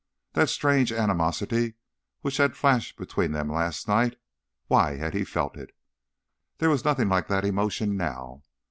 That strange animosity which had flashed between them last night—why had he felt it? There was nothing like that emotion now.